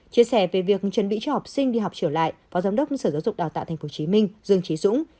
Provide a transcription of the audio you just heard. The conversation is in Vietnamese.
chia sẻ về việc chuẩn bị cho học sinh đi học trở lại phó giám đốc sở giáo dục đào tạo tp hcm dương trí dũng